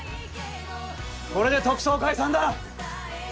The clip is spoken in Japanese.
これで特捜解散だ！